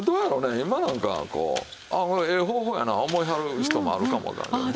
今なんかこうええ方法やな思いはる人もあるかもわからんけどね。